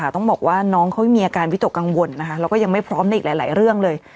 ต้องบอกว่าน้องเขามีอาการวิตกกังวลนะคะแล้วก็ยังไม่พร้อมในอีกหลายเรื่องเลย